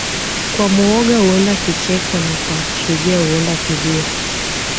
Kwa mwoga huenda kicheko na kwa shujaa huenda kilio